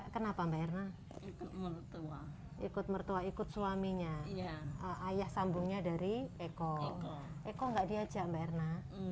kenapa mbak erna ikut mertua ikut suaminya ayah sambungnya dari eko eko nggak diajak mbak erna